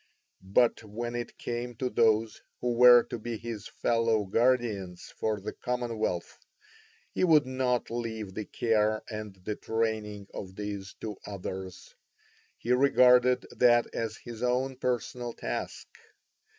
But when it came to those who were to be his fellow guardians for the commonwealth, he would not leave the care and the training of these to others; he regarded that as his own personal task.